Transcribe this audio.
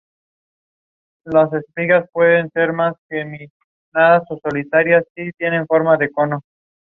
Se encuentra junto a la frontera con el distrito de Llanura Lacustre Mecklemburguesa.